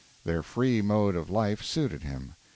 Their free mode of life suited him.